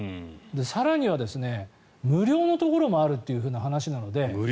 更には無料のところもあるという話なので。